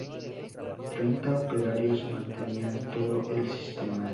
Treinta operarios mantenían todo el sistema.